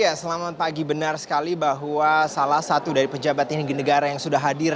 ya selamat pagi benar sekali bahwa salah satu dari pejabat tinggi negara yang sudah hadir